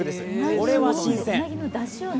これは新鮮。